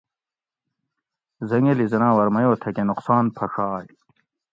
زنگلی زناور میو تھکہ نُقصان پھݭائ